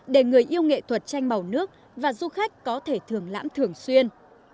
để người yêu nghệ thuật tranh màu nước và du khách có thể thưởng lãm thường xuyên